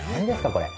これ。